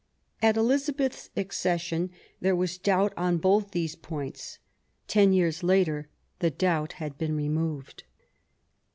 At Elizabeth's accession there was doubt on both these points; ten years later the doubt had been removed.